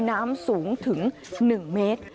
น้ำสูงถึง๑เมตร